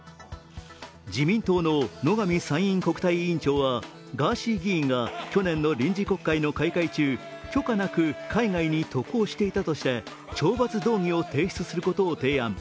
自民党の野上参院国対委員長はガーシー議員が去年の臨時国会の開会中、許可なく海外に渡航していたとして懲罰動議を提出することを提案。